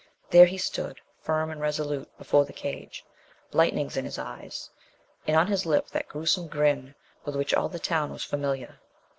There he stood, firm and resolute, before the cage, lightnings in his eyes, and on his lip that gruesome grin with which all the town was familiar.